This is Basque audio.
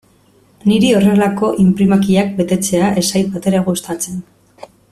Niri horrelako inprimakiak betetzea ez zait batere gustatzen.